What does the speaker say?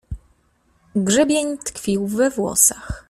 Grzebień tkwił we włosach.